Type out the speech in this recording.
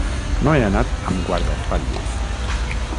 No he anat amb guardaespatlles.